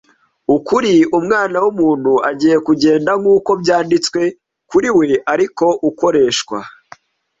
ukuri Umwana w umuntu agiye kugenda nk uko byanditswe kuri we Ariko ukoreshwa